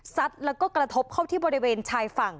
แล้วก็กระทบเข้าที่บริเวณชายฝั่ง